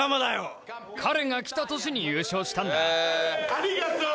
ありがとう！